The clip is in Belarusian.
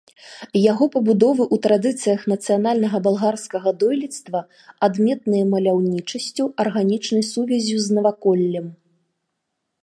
Яго пабудовы ў традыцыях нацыянальнага балгарскага дойлідства, адметныя маляўнічасцю, арганічнай сувяззю з наваколлем.